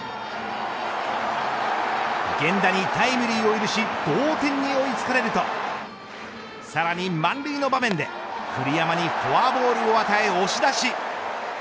源田にタイムリーを許し同点に追いつかれるとさらに満塁の場面で栗山にフォアボールを与え押し出し。